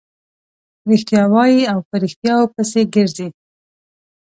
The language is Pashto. رښتیا وايي او په ريښتیاوو پسې ګرځي.